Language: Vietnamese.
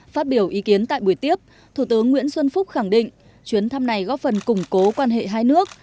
phát biểu ý kiến tại buổi tiếp thủ tướng nguyễn xuân phúc khẳng định chuyến thăm này góp phần củng cố quan hệ hai nước